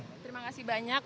terima kasih banyak